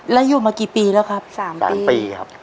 แล้วอยู่มากี่ปีแล้วครับ๓ปี๓ปีครับ